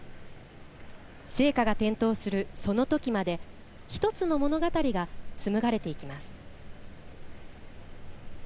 聖火が点灯する、そのときまで１つの物語が紡がれていきます。